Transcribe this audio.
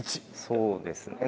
そうですね。